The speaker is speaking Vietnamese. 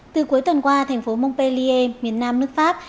từ cuối tuần qua thành phố montellier miền nam nước pháp